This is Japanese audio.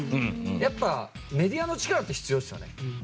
やっぱメディアの力って必要ですよね。